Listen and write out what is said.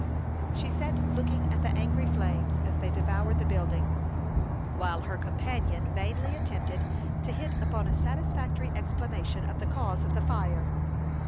She sat looking at the angry flames as they devoured the building, while her companion vainly attempted to hit upon a satisfactory explanation of the cause of the fire.